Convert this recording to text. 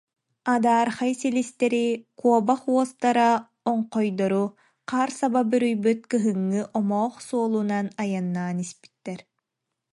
Адаархай силистэри, куобах уостара оҥхойдору, хаар саба бүрүйбүт кыһыҥҥы омоох суолунан айаннаан испиттэр